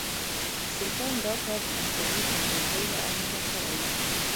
سلطان دا کار د انساني همدردۍ له امله کړی و.